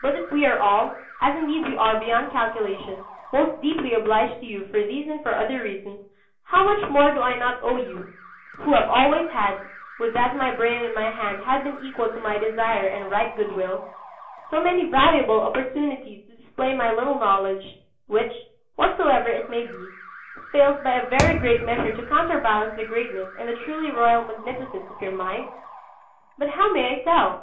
But if we are all, as indeed we are beyond calculation, most deeply obliged to you for these and for other reasons, how much more do I not owe to you, who have always had (would that my brain and my hand had been equal to my desire and right good will) so many valuable opportunities to display my little knowledge, which, whatsoever it may be, fails by a very great measure to counterbalance the greatness and the truly royal magnificence of your mind? But how may I tell?